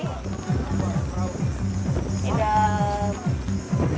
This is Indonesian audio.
ini dari dua ribu delapan